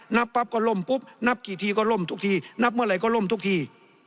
นับปั๊บก็ล่มปุ๊บนับกี่ทีก็ล่มทุกทีนับเมื่อไหร่ก็ล่มทุกที